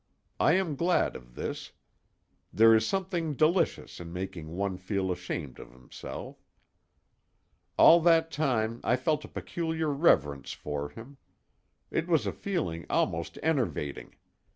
I am glad of this. There is something delicious in making one feel ashamed of himself. All that time I felt a peculiar reverence for him. It was a feeling almost enervating.